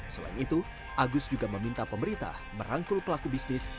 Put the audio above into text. selain itu agus juga meminta pemerintah merangkul pelaku bisnis